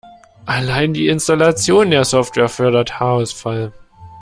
Allein die Installation der Software fördert Haarausfall.